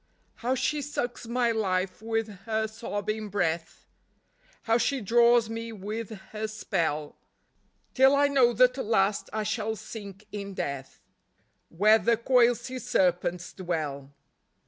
How she sucks my life with her sobbing breath, How she draws me with her spell, Till I know that at last I shall sink in death Where the coiled sea serpents dwell.